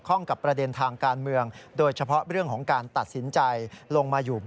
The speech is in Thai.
กรณีนี้ทางด้านของประธานกรกฎาได้ออกมาพูดแล้ว